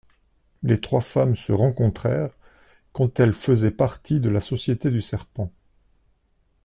Les trois femmes se rencontrèrent quand elles faisaient partie de la Société du serpent.